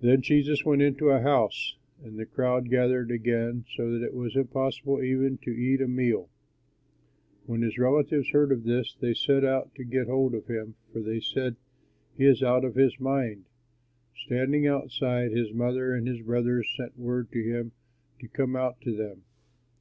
Then Jesus went into a house and the crowd gathered again so that it was impossible even to eat a meal. When his relatives heard of this, they set out to get hold of him, for they said, "He is out of his mind." Standing outside, his mother and his brothers sent word to him to come out to them.